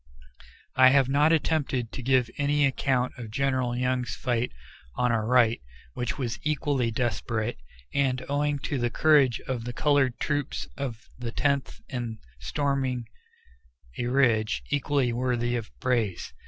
I have not attempted to give any account of General Young's fight on our right, which was equally desperate, and, owing to the courage of the colored troops of the Tenth in storming a ridge, equally worthy of praise.